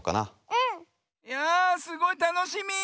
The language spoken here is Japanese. うん！やすごいたのしみ。